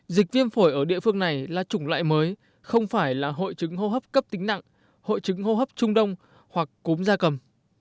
dịch viêm phổi ở địa phương này là chủng loại mới không phải là hội chứng hô hấp cấp tính nặng hội chứng hô hấp trung đông hoặc cúm da cầm